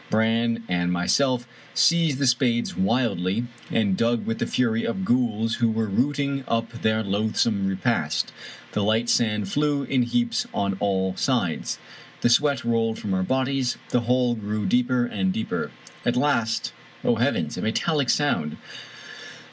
Brann and myself seized the spades wildly, and dug with the fury of ghouls who were rooting up their loathsome repast. The light sand flew in heaps on all sides. The sweat rolled from our bodies. The hole g^ew deeper and deeper I At last — O heavens! — a metallic sound!